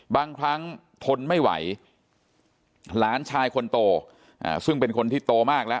บางครั้งทนไม่ไหวหลานชายคนโตซึ่งเป็นคนที่โตมากแล้ว